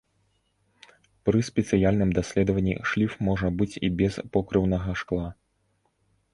Пры спецыяльным даследванні шліф можа быць і без покрыўнага шкла.